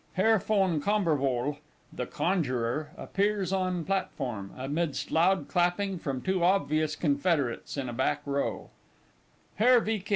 _ HERR VON KAMBERWOHL_, the Conjuror, appears on platform, amidst loud clapping from two obvious Confederates in a back row_. HERR V. K.